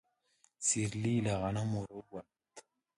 سيرلي له غنمو راووت.